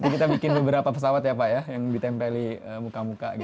jadi kita bikin beberapa pesawat ya pak ya yang ditempeli muka muka gitu ya